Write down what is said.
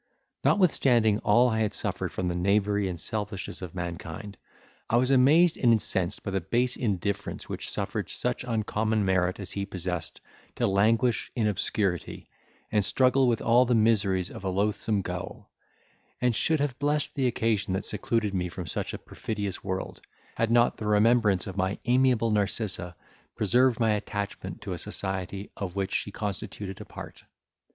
Notwithstanding all I had suffered from the knavery and selfishness of mankind, I was amazed and incensed by the base indifference which suffered such uncommon merit as he possessed to languish in obscurity, and struggle with all the miseries of a loathsome gaol; and should have blessed the occasion that secluded me from such a perfidious world, had not the remembrance of my amiable Narcissa preserved my attachment to a society of which she constituted a part.